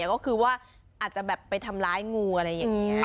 ก็คือว่าอาจจะแบบไปทำร้ายงูอะไรอย่างนี้